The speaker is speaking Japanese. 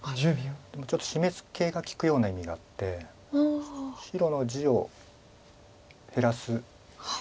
でもちょっとシメツケが利くような意味があって白の地を減らす感じです。